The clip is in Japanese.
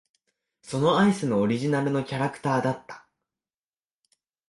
そのアイスのオリジナルのキャラクターだった。